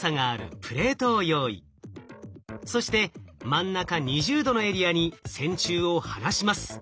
そして真ん中２０℃のエリアに線虫を放します。